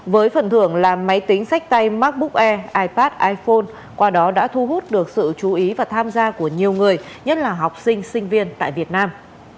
với phần thưởng là máy tính sách tay macbook air ipad iphone qua đó đã thu hút được sự chú ý và tham gia của nhiều người nhất là học sinh sinh viên tại việt nam